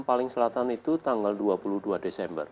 paling selatan itu tanggal dua puluh dua desember